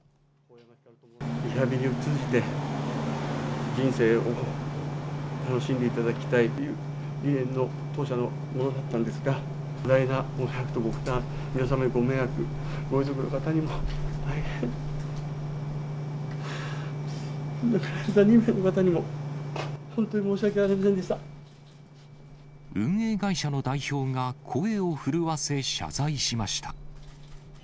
リハビリを通じて、人生を楽しんでいただきたいという理念の当社のものだったんですが、多大なご迷惑とご負担、皆様へご迷惑、ご遺族の方にも大変、亡くなった２名の方にも、本当に申し訳あり運営会社の代表が声を震わせ謝罪しました。